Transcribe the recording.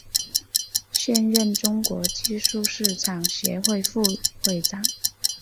现任中国技术市场协会副会长。